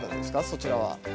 そちらは。